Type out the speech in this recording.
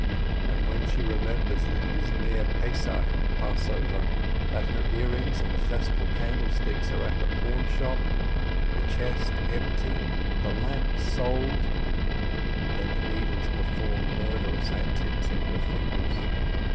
And when she remembers that it is near Passover, that her ear rings and the festal candlesticks are at the pawnshop, the chest empty, the lamp sold, then the needles perform murderous antics in her fingers.